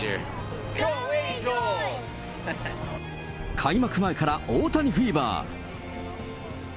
開幕前から大谷フィーバー。